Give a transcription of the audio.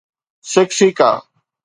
سکسيڪا